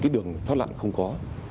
đường thoát lặn không có